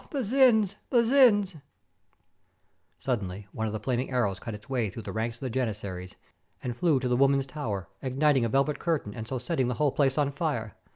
"Oh! the Dzins, the DzinsI" Suddenly one of the flaming arrows cut its way through the ranks of the Janizaries and flew to the wo men's tower, igniting a velvet curtain, and so setting the whole place on fire.